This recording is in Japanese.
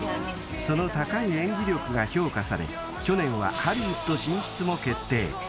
［その高い演技力が評価され去年はハリウッド進出も決定］